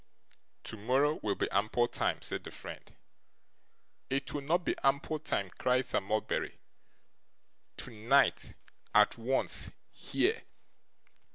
'Tomorrow will be ample time,' said the friend. 'It will not be ample time!' cried Sir Mulberry. 'Tonight, at once, here!